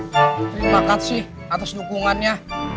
terima kasih atas dukungannya